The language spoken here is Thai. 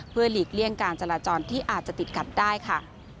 เพื่อหลีกเลี่ยงการจราจรที่อาจจะติดขัดได้ค่ะ